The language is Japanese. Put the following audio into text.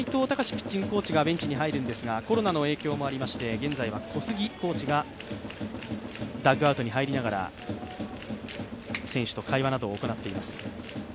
ピッチングコーチが入るんですが、コロナの影響もありまして現在は小杉コーチがダグアウトに入りながら選手と会話などを行っています。